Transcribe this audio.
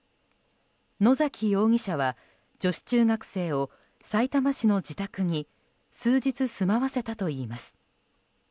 野崎容疑者は女子中学生をさいたま市の自宅に数日、住まわせたといいます。